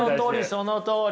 そのとおり。